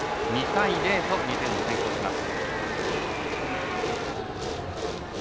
２対０と２点を先制します。